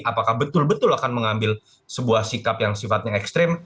apakah betul betul akan mengambil sebuah sikap yang sifatnya ekstrim